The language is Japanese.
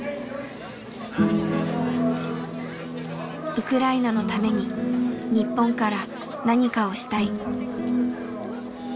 ウクライナのために日本から何かをしたい。